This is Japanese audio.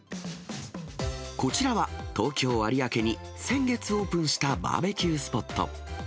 こちらは東京・有明に先月オープンしたバーベキュースポット。